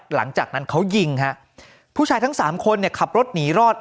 หลังจากนั้นเขายิงฮะผู้ชายทั้งสามคนเนี่ยขับรถหนีรอด